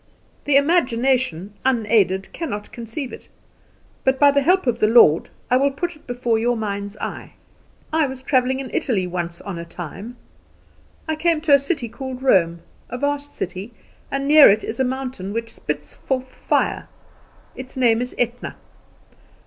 "The imagination unaided cannot conceive it: but by the help of the Lord I will put it before your mind's eye. "I was travelling in Italy once on a time; I came to a city called Rome, a vast city, and near it is a mountain which spits forth fire. Its name is Etna.